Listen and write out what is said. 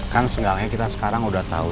kan seenggaknya kita sekarang udah tau